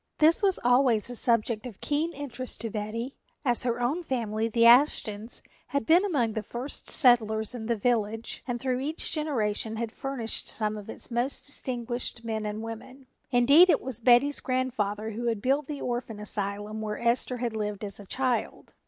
This was always a subject of keen interest to Betty, as her own family, the Ashtons, had been among the first settlers in the village and through each generation had furnished some of its most distinguished men and women. Indeed, it was Betty's grandfather who had built the orphan asylum where Esther had lived as a child.